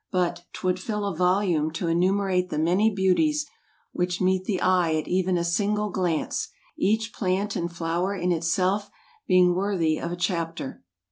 —but, 'twould fill a volume to enumerate the many beauties which meet the eye at even a single glance, each plant and flower in itself being worthy of a chapter.